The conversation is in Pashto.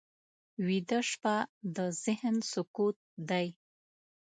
ویده شپه د ذهن سکوت دی